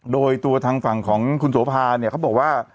โดยตัวทางฝั่งของคุณโสภาเนี่ยเขาบอกว่า